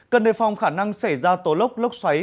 cần đề phòng khả năng xảy ra tố lốc lốc xoáy